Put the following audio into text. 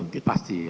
pasti ya pasti